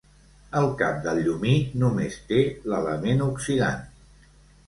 El cap del llumí només té l'element oxidant.